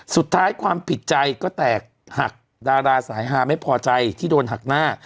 ความผิดใจก็แตกหักดาราสายฮาไม่พอใจที่โดนหักหน้า